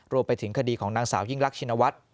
รวมไปถึงคดีของนางสาวยิ่งรักชินวัฒน์